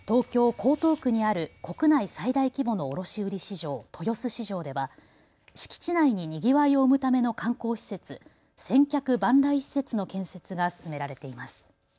江東区にある国内最大規模の卸売市場、豊洲市場では敷地内ににぎわいを生むための観光施設、千客万来施設の建設が進められています。